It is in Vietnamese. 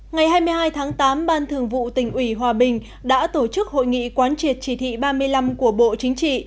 ngày hai mươi hai tháng tám ban thường vụ tỉnh ủy hòa bình đã tổ chức hội nghị quán triệt chỉ thị ba mươi năm của bộ chính trị